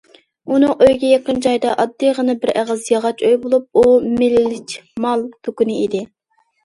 ئۇنىڭ ئۆيىگە يېقىن جايدا ئاددىيغىنا بىر ئېغىز ياغاچ ئۆي بولۇپ، ئۇ مىلىچمال دۇكىنى ئىدى.